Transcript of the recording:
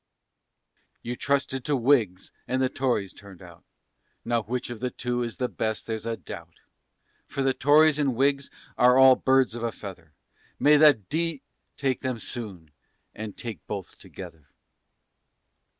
You trusted to Whigs, and the Tories turn'd out, Now which of the two is the best there's a doubt; For the Tories and Whigs are all birds of a feather, May the D l come soon and take both together.